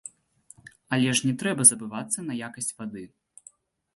Але ж не трэба забывацца на якасць вады.